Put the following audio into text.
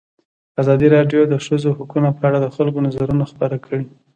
ازادي راډیو د د ښځو حقونه په اړه د خلکو نظرونه خپاره کړي.